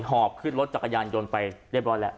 หอบขึ้นรถจักรยานยนต์ไปเรียบร้อยแล้ว